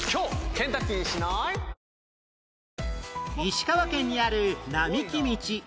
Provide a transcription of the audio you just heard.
石川県にある並木道